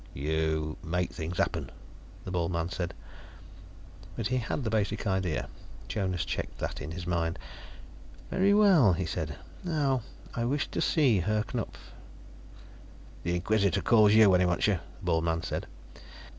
"You make things happen," the bald man said. But he had the basic idea; Jonas checked that in his mind. "Very well," he said. "Now, I wish to see Herr Knupf." "The Inquisitor calls you when he wants you," the bald man said.